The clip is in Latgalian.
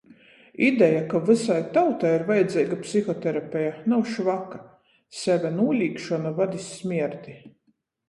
Ideja, ka vysai tautai ir vajadzeiga psihoterapeja, nav švaka. Seve nolīgšona vad iz smierti.